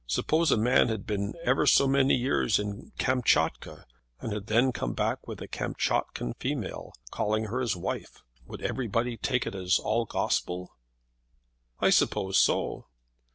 Suppose a man had been ever so many years in Kamptschatka, and had then come back with a Kamptschatkean female, calling her his wife, would everybody take it as all gospel?" "I suppose so."